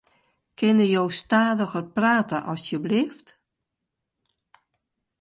Kinne jo stadiger prate asjebleaft?